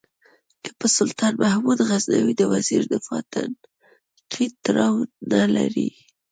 که په سلطان محمود غزنوي د وزیر دفاع تنقید تړاو نه لري.